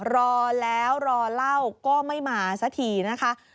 รอแล้วรอเล่าก็ไม่มาสักทีนะคะ